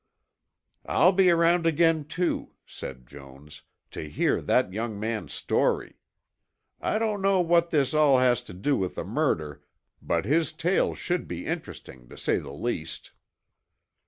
"I'll be around again, too," said Jones, "to hear that young man's story. I don't know what all this has to do with the murder, but his tale should be interesting, to say the least."